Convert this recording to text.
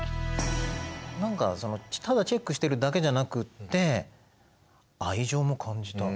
何かただチェックしてるだけじゃなくって愛情も感じた。